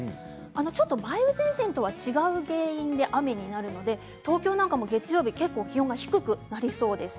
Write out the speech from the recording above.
ちょっと梅雨前線とは違う原因で雨になるので東京なんかも月曜日結構気温が低くなりそうです。